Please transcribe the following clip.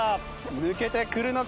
抜けてくるのか？